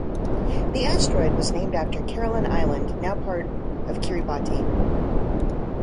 The asteroid was named after Caroline Island, now part of Kiribati.